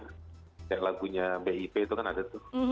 kayak lagunya bip itu kan ada tuh